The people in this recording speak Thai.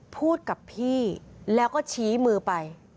พูดกับพี่แล้วก็ชี้มือไป